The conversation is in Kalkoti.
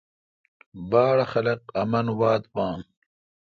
باڑ خلق آمن واتھ باں ۔